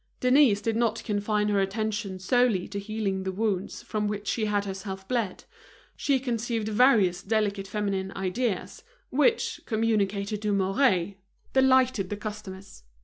Denise did not confine her attention solely to healing the wounds from which she had herself bled; she conceived various delicate feminine ideas, which, communicated to Mouret, delighted the customers.